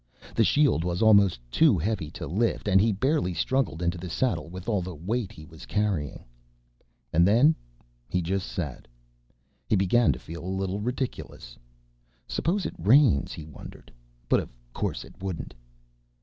The shield was almost too heavy to lift, and he barely struggled into the saddle with all the weight he was carrying. And then he just sat. He began to feel a little ridiculous. Suppose it rains? he wondered. But of course it wouldn't.